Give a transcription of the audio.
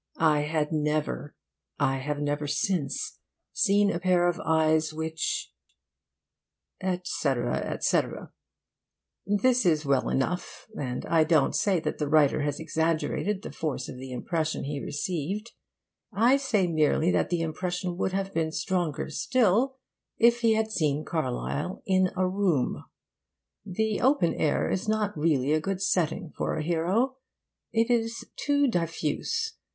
I had never, I have never since, seen a pair of eyes which,' etc., etc. This is well enough, and I don't say that the writer has exaggerated the force of the impression he received. I say merely that the impression would have been stronger still if he had seen Carlyle in a room. The open air is not really a good setting for a hero. It is too diffuse.